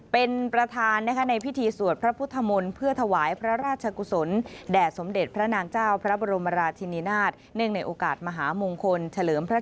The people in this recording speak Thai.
เป็นประธานในพิธีสวดพระพุทธมนต์